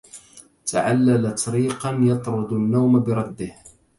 تعللت ريقا يطرد النوم برده